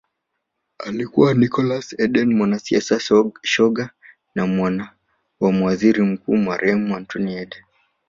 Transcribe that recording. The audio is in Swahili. Alikuwa Nicholas Eden mwanasiasa shoga na mwana wa Waziri Mkuu marehemu Anthony Eden